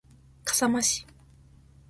笠間市